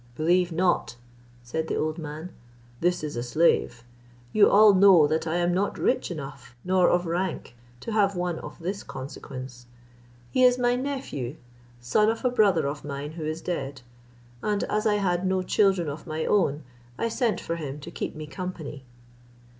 "Believe not," said the old man, "this is a slave: you all know that I am not rich enough nor of rank to have one of this consequence. He is my nephew, son of a brother of mine who is dead; and as I had no children of my own, I sent for him to keep me company."